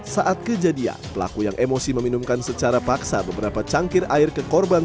saat kejadian pelaku yang emosi meminumkan secara paksa beberapa cangkir air ke korban